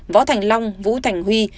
võ thành long vũ thành huy